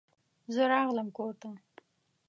زه راغلم کور ته.